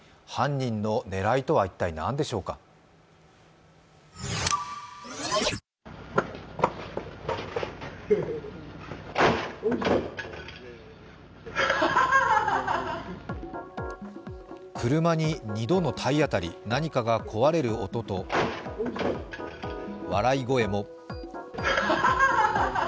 犯人の狙いとは一体、何でしょうか車に２度の体当たり、何かが壊れる音と笑い声も。